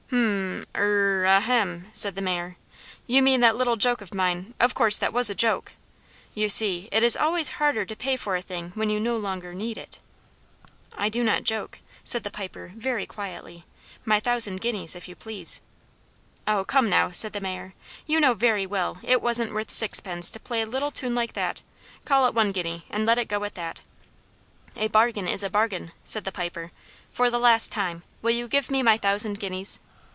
"H'm, er ahem!" said the Mayor. "You mean that little joke of mine; of course that was a joke." (You see it is always harder to pay for a thing when you no longer need it.) "I do not joke," said the Piper very quietly; "my thousand guineas, if you please." "Oh, come, now," said the Mayor, "you know very well it wasn't worth sixpence to play a little tune like that; call it one guinea, and let it go at that." "A bargain is a bargain," said the Piper; "for the last time, will you give me my thousand guineas?"